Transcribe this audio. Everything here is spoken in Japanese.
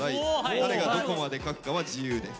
誰がどこまで描くかは自由です。